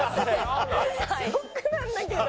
ショックなんだけど。